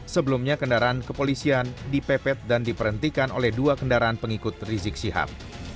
sebelumnya kendaraan kepolisian dipepet dan diperhentikan oleh dua kendaraan pengikut rizik sihab